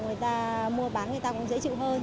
người ta mua bán người ta cũng dễ chịu hơn